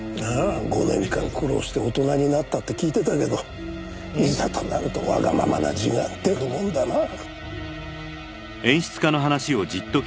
５年間苦労して大人になったって聞いてたけどいざとなるとわがままな地が出るもんだなあ。